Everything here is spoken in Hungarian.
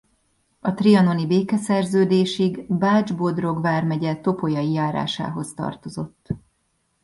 A trianoni békeszerződésig Bács-Bodrog vármegye Topolyai járásához tartozott.